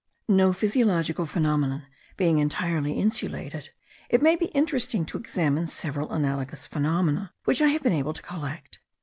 No physiological phenomenon being entirely insulated, it may be interesting to examine several analogous phenomena, which I have been able to collect.